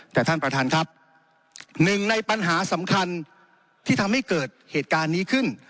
แต่ท่านประธานครับหนึ่งในปัญหาสำคัญที่ทำให้เกิดเหตุการณ์นี้ขึ้น